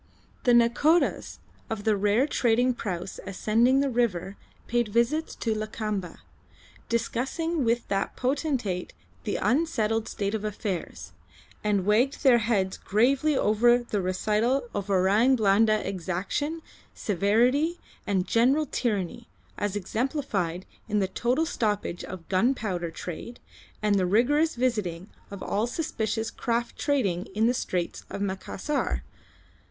The Nakhodas of the rare trading praus ascending the river paid visits to Lakamba, discussing with that potentate the unsettled state of affairs, and wagged their heads gravely over the recital of Orang Blanda exaction, severity, and general tyranny, as exemplified in the total stoppage of gunpowder trade and the rigorous visiting of all suspicious craft trading in the straits of Macassar.